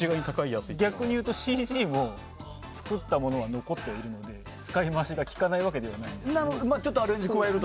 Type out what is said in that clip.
逆に言うとＣＧも作ったものは残ってるので使い回しができないわけではないんです。